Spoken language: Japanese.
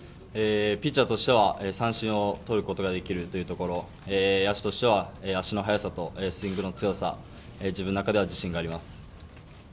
ピッチャーとしては三振を取ることができるというところ野手としては足の速さとスイングの強さ、自分の中では自信があります。